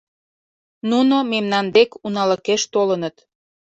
Нуно мемнан дек уналыкеш толыныт.